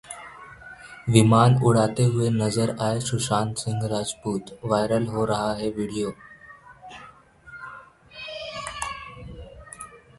विमान उड़ाते हुए नज़र आए सुशांत सिंह राजपूत, वायरल हो रहा है वीडियो